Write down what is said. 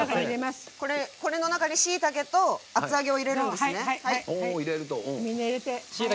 しいたけと厚揚げを入れるんですね。